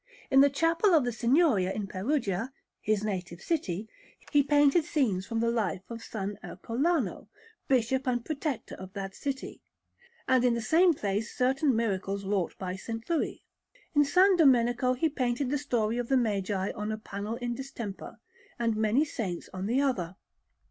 In the Chapel of the Signoria in Perugia, his native city, he painted scenes from the life of S. Ercolano, Bishop and Protector of that city, and in the same place certain miracles wrought by S. Louis. In S. Domenico he painted the story of the Magi on a panel in distemper, and many saints on another.